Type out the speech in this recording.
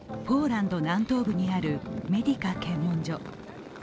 ポーランド南東部にあるメディカ検問所。